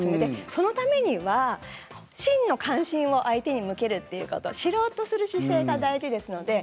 そのためには芯の関心を相手に向ける知ろうとする姿勢が大事です。